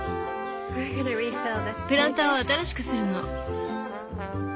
プランターを新しくするの。